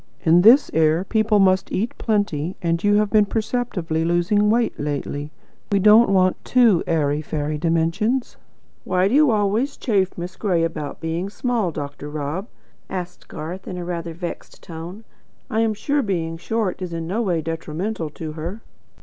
In this air people must eat plenty, and you have been perceptibly losing weight lately. We don't want TOO airy fairy dimensions." "Why do you always chaff Miss Gray about being small, Dr. Rob?" asked Garth, in a rather vexed tone. "I am sure being short is in no way detrimental to her."